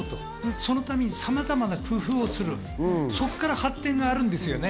そのためにさまざまな工夫をする、そこから発展があるんですよね。